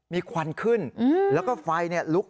มีควันขึ้นแล้วก็ไฟลุก